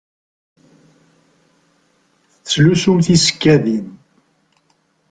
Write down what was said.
Tettlusum tisekkadin?